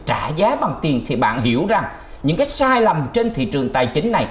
trả giá bằng tiền thì bạn hiểu rằng những cái sai lầm trên thị trường tài chính này